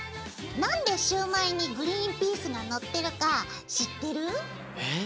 何でシュウマイにグリンピースがのってるか知ってる？ええ？